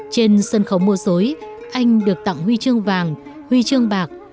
trên sân khấu mua dối anh được tặng huy chương vàng huy chương bạc